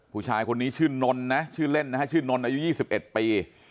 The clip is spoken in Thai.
ผู้ชายคนนี้ชื่อนนนะชื่อเล่นนะฮะชื่อนนอายุ๒๑ปี